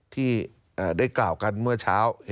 ที่ได้กล่าวกันเมื่อเช้า